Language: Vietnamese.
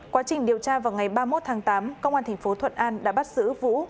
quá trình điều tra vào ngày ba mươi một tháng tám công an thành phố thuận an đã bắt giữ vũ